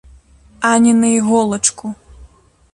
А ні на іголачку.